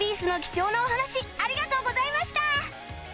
『ＯＮＥＰＩＥＣＥ』の貴重なお話ありがとうございました